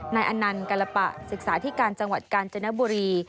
นายอนันเกลปะศึกษาธิการจังหวัดกาลจนบุรี